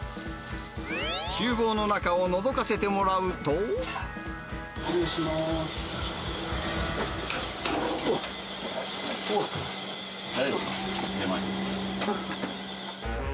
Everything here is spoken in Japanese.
ちゅう房の中をのぞかせてもらう失礼します。